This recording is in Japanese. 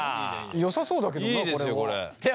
よさそうだけどなこれは。